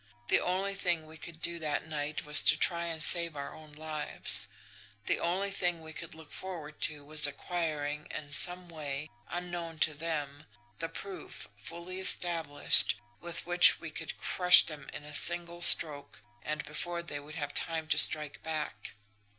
The only thing we could do that night was to try and save our own lives; the only thing we could look forward to was acquiring in some way, unknown to them, the proof, fully established, with which we could crush them in a single stroke, and before they would have time to strike back.